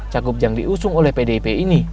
cakup jang diusung oleh pdip ini